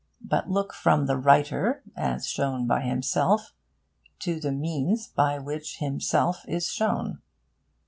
But look from the writer, as shown by himself, to the means by which himself is shown.